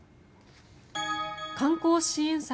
観光支援策